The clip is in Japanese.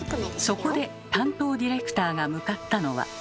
そこで担当ディレクターが向かったのは。